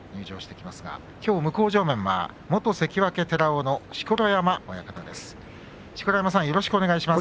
きょう向正面は元関脇寺尾の錣山親方です。